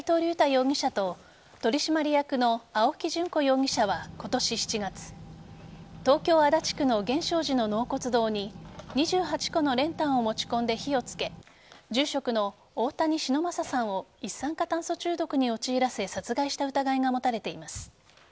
容疑者と取締役の青木淳子容疑者は今年７月東京・足立区の源証寺の納骨堂に２８個の練炭を持ち込んで火をつけ住職の大谷忍昌さんを一酸化炭素中毒に陥らせ殺害した疑いが持たれています。